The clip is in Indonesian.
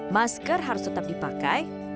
masker harus tetap dipakai